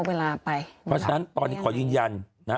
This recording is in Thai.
เพราะฉะนั้นขอยืนยัน